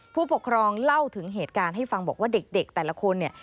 ผู้ปกครองเล่าถึงเหตุการณ์ให้ฟังบอกว่าเด็กแต่ละคนเนี่ย